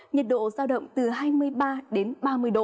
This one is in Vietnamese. nhiệt độ giao động từ hai mươi ba đến ba mươi độ